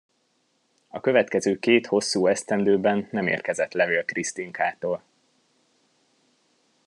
A következő két hosszú esztendőben nem érkezett levél Krisztinkától.